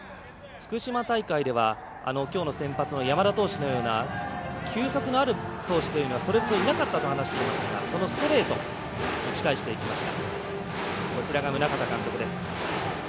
福島大会ではきょうの先発の山田投手のような球速のある投手というのはそれほどいなかったと話していましたがそのストレート打ち返していきました。